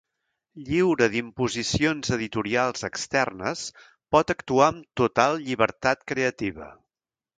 Lliure d'imposicions editorials externes, pot actuar amb total llibertat creativa.